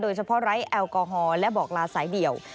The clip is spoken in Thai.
โดยเฉพาะไร้แอลกอฮอล์และบอกลาสายเดี่ยว